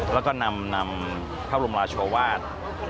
แล้วก็นำพระบรมราชวาส